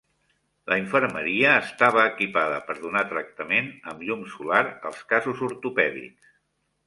La infermeria estava equipada per donar tractament amb llum solar als casos ortopèdics.